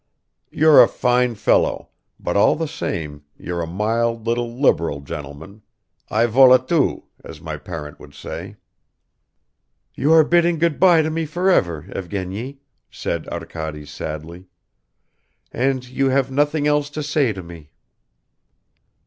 You're a fine fellow, but all the same you're a mild little liberal gentleman ay volatoo, as my parent would say." "You are bidding good by to me for ever, Evgeny," said Arkady sadly, "and you have nothing else to say to me."